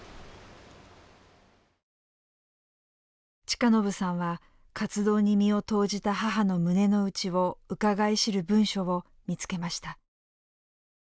親信さんは活動に身を投じた母の胸の内をうかがい知る文書を見つけました。